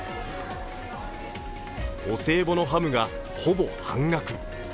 お歳暮のハムがほぼ半額。